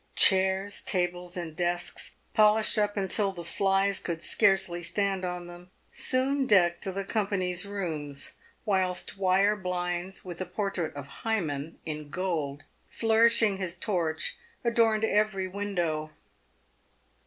Chairs, tables, and desks, polished up until the flies could scarcely stand on them, soon decked the company's rooms, whilst wire blinds, with a portrait of Hymen — in gold — flourishing his torch, adorned every window.